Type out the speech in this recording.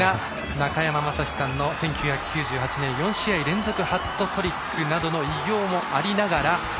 中山雅史さんの４試合連続ハットトリックなどの偉業もありながら。